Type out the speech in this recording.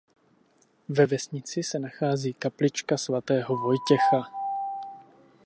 Ve vesnici se nachází kaplička svatého Vojtěcha.